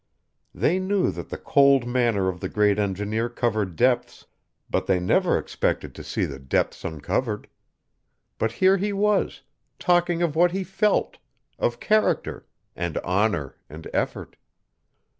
They knew that the cold manner of the great engineer covered depths, but they never expected to see the depths uncovered. But here he was, talking of what he felt, of character, and honor and effort.